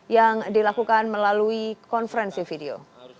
yang dilakukan melalui konferensi video